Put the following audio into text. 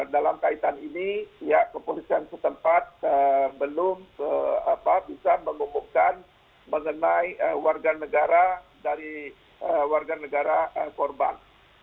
dalam kaitan ini pihak kepolisian setempat belum bisa mengumpulkan mengenai warganegara dari warganegara korban